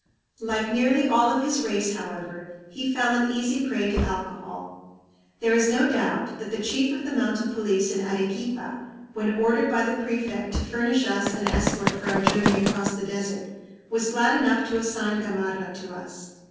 Like nearly all of his race, however, he fell an easy prey to alcohol. There is no doubt that the chief of the mounted police in Arequipa, when ordered by the prefect to furnish us an escort for our journey across the desert, was glad enough to assign Gamarra to us.